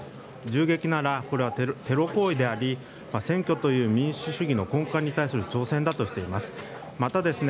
銃撃なら、これはテロ行為であり選挙という民主主義の根幹に対する挑戦だとしています。